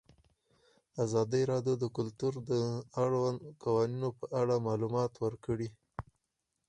ازادي راډیو د کلتور د اړونده قوانینو په اړه معلومات ورکړي.